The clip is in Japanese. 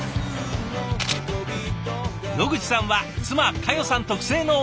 野口さんは妻佳代さん特製のおにぎらず。